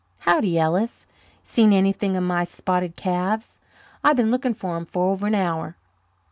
"Howdy, Ellis. Seen anything of my spotted calves? I've been looking for 'em for over an hour."